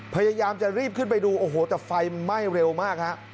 พยายามจะรีบขึ้นไปดูโอ้โหแต่ไฟไหม้เร็วมากฮะ